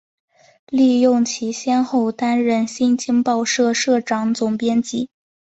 利用其先后担任新京报社社长、总编辑